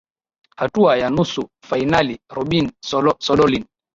hatua ya nusu fainali robin sodolin